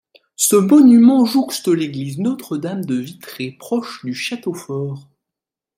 Ce monument jouxte l'église Notre-Dame de Vitré, proche du château fort.